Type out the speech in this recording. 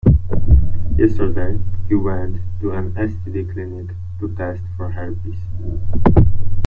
Yesterday, he went to an STD clinic to test for herpes.